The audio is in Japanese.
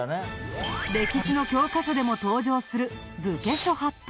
歴史の教科書でも登場する武家諸法度。